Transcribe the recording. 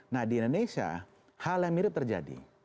nah di indonesia hal yang mirip terjadi